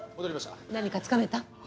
何かつかめた？